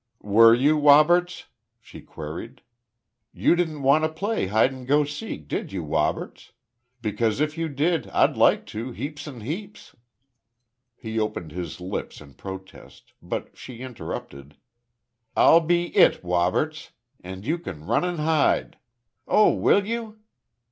"Were you, Woberts?" she queried. "You didn't want to play hide and go seek, did you, Woberts? Because if you did, I'd like to heaps and heaps." He opened his lips in protest; but she interrupted: "I'll be it, Woberts, and you can run and hide. Oh! Will you?"